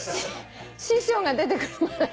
師匠が出てくるまで。